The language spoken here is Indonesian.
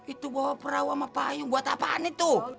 itu bawa perahu sama payung buat apaan itu